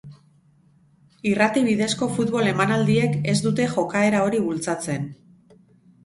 Irrati bidezko futbol emanaldiek ez dute jokaera hori bultzatzen.